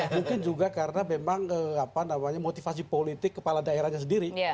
mungkin juga karena memang motivasi politik kepala daerahnya sendiri